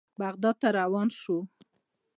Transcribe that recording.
بغداد ته روان شوو.